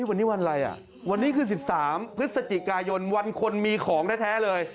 วันนี้วันอะไรอ่ะวันนี้คือ๑๓พฤศจิกายนวันคนมีของแท้เลย